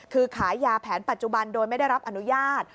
คือขายยาแผนปัจจุบันโดยไม่ได้รับอนุญาต